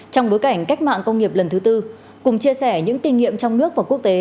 trong bối cảnh cách mạng công nghiệp lần thứ tư cùng chia sẻ những kinh nghiệm trong nước và quốc tế